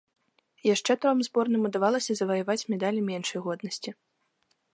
Яшчэ тром зборным удавалася заваяваць медалі меншай годнасці.